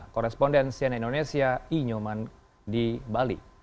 korespondensi dari siena indonesia i nyuman di bali